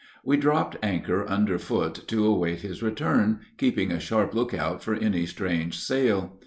We dropped anchor underfoot to await his return, keeping a sharp lookout for any strange sail.